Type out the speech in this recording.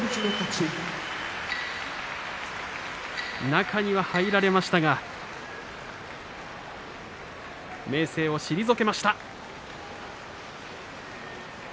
中には入られましたが明生を退けました。